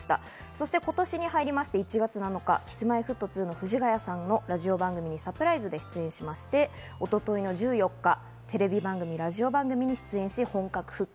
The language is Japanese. そして今年１月７日、Ｋｉｓ−Ｍｙ−Ｆｔ２の藤ヶ谷さんのラジオ番組にサプライズで出演し、一昨日１４日テレビ番組、ラジオ番組に出演し、本格復帰。